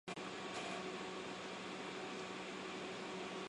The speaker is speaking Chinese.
用来做长距离或低光环境下观瞄的瞄准镜通常拥有更粗的镜筒。